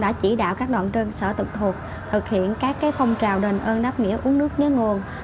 đã chỉ đạo các đoạn trường sở tự thuộc thực hiện các phong trào đền ơn nắp nghĩa uống nước nhớ nguồn